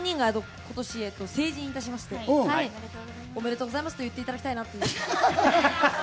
３人が今年、成人いたしまして、おめでとうございますと言っていただきたいなと。